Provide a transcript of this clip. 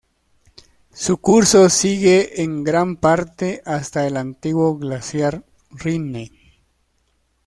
Su curso sigue en gran parte hasta el antiguo glaciar Rinne.